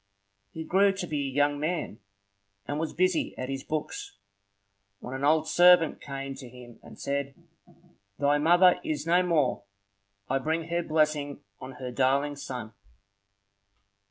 He grew to be a young man, and was busy at his books when an old servant came to him and said,— "Thy mother is no more. I bring her blessing on her darling son!"